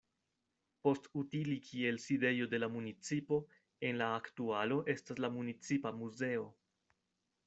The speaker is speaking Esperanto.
Post utili kiel sidejo de la municipo, en la aktualo estas la municipa muzeo.